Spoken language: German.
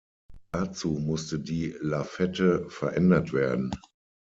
Dazu musste die Lafette verändert werden.